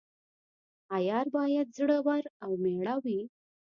عیار باید زړه ور او میړه وي.